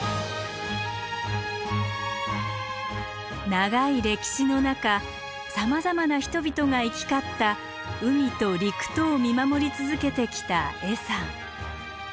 長い歴史の中さまざまな人々が行き交った海と陸とを見守り続けてきた恵山。